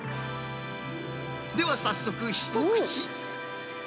では早速、一口。